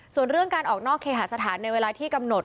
ส่วนเรื่องการออกนอกเคหาสถานในเวลาที่กำหนด